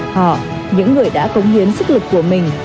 họ những người đã cống hiến sức lực của mình